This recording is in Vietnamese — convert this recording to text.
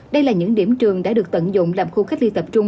đây là những điểm trường đã được tận dụng làm khu cách ly tập trung